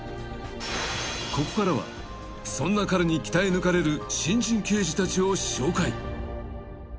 ［ここからはそんな彼に鍛え抜かれる新人刑事たちを紹介］